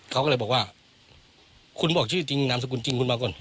เขาก็เลยบอกว่าคุณบอกชื่อจริงนามสกุลจริงคุณมาก่อน